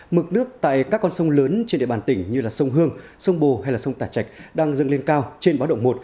mực nước tại các con sông lớn trên địa bàn tỉnh như sông hương sông bồ hay sông tả trạch đang dâng lên cao trên báo động một